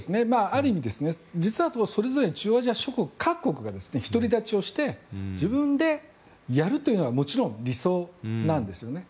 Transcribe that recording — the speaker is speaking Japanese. ある意味、実はそれぞれ中央アジア各国が独り立ちをして自分でやるというのがもちろん理想なんですよね。